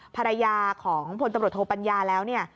ภรรยาของผลตำรวจโทษปัญญาแล้ว